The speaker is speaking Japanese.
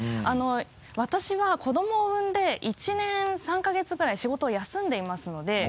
私は子どもを産んで１年３か月ぐらい仕事を休んでいますので。